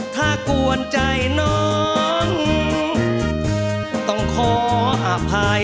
ถ้ากวนใจน้องต้องขออภัย